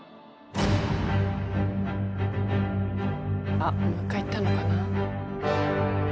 あっもう一回行ったのかな。